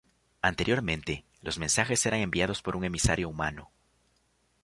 Anteriormente, los mensajes eran enviados por un emisario humano.